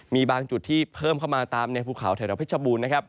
มีบางจุดที่เพิ่มเข้ามาตามในภูเขาไทยและพิชบูรณ์